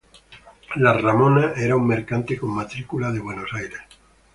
La "Ramona" era un mercante con matrícula de Buenos Aires.